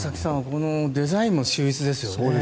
このデザインも秀逸ですよね。